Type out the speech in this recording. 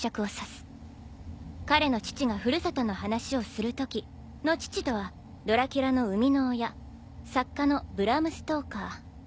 「彼の父が故郷の話をする時」の父とはドラキュラの生みの親作家のブラム・ストーカー。